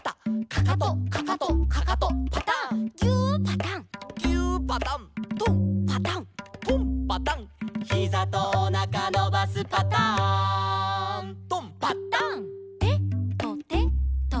「かかとかかとかかとパタン」「ぎゅーパタン」「ぎゅーパタン」「とんパタン」「とんパタン」「ひざとおなかのばすパターン」「とん」「パタン」「てとてと」